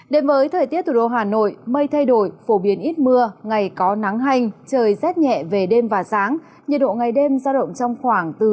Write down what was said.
đến với thời tiết thủ đô hà nội mây thay đổi phổ biến ít mưa ngày có nắng hành trời rất nhẹ về đêm và sáng nhiệt độ ngày đêm ra động trong khoảng từ một mươi chín hai mươi bảy độ